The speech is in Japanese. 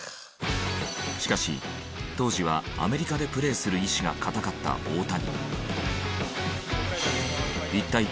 しかし当時はアメリカでプレーする意志が固かった大谷。